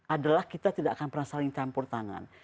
adalah kita tidak akan pernah saling campur tangan